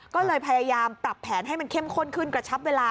ก็เลยพยายามปรับแผนให้มันเข้มข้นขึ้นกระชับเวลา